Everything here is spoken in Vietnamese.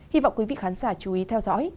hy vọng quý vị khán giả chú ý theo dõi